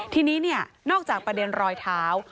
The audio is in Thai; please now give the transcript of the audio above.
ทีนี้นอกจากประเด็นรอยเท้า